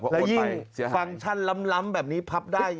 เพราะโอดไปเสียหายนะครับแล้วยิ่งฟังชันล้ำแบบนี้พับได้